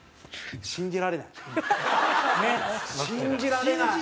信じられない。